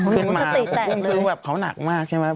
ขึ้นมาผมกึ้งขึ้นแบบเขาหนักมากใช่ไหม